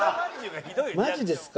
マジですか？